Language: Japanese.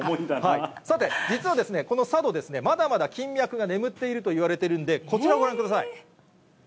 さて、実はこの佐渡ですね、まだまだ金脈が眠っているといわれているんで、こちらご覧ください。